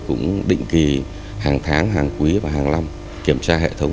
cũng định kỳ hàng tháng hàng quý và hàng năm kiểm tra hệ thống